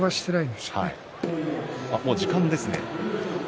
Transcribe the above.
もう時間ですね。